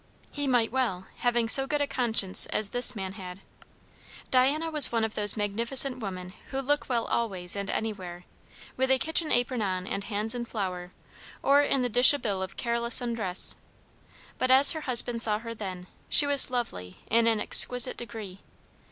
He might well, having so good a conscience as this man had. Diana was one of those magnificent women who look well always and anywhere; with a kitchen apron on and hands in flour, or in the dishabille of careless undress; but as her husband saw her then, she was lovely in an exquisite degree.